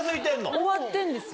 終わってんですよ。